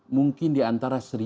mungkin di antara seribu